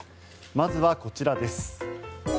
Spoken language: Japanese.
まずはこちらです。